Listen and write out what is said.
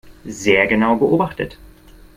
Sehr genau beobachtet.